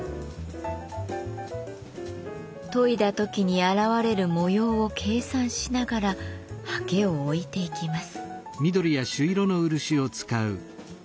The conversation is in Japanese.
研いだときに現れる模様を計算しながらはけを置いていきます。